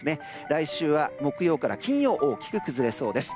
来週は木曜から金曜大きく崩れそうです。